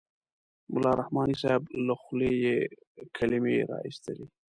ملا رحماني صاحب له خولې یې کلمې را اېستلې.